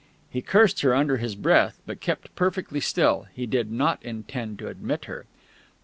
He cursed her under his breath, but kept perfectly still. He did not intend to admit her.